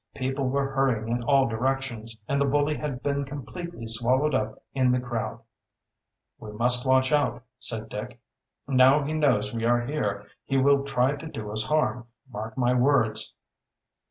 People were hurrying in all directions, and the bully had been completely swallowed up in the crowd. "We must watch out," said Dick. "Now he knows we are here he will try to do us harm, mark my words."